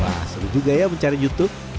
wah seru juga ya mencari youtube